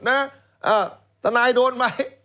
อ้าวทานายโดนไหม